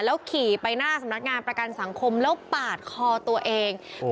ขี่ไปหน้าสำนักงานประกันสังคมแล้วปาดคอตัวเอง